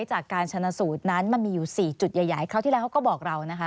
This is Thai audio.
จากการชนะสูตรนั้นมันมีอยู่๔จุดใหญ่คราวที่แล้วเขาก็บอกเรานะคะ